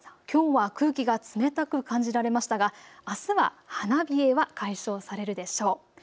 きょうは空気が冷たく感じられましたがあすは花冷えは解消されるでしょう。